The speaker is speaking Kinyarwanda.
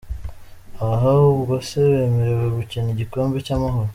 ahaa ubwose bemerewe gukina igikombe cy’amahoro.